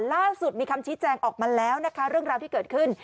ล่าสุดมีคำชี้แจงออกมาแล้วนะคะเรื่องราวที่เกิดขึ้น